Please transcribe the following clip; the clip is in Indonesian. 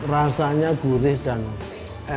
rasanya gurih dan enak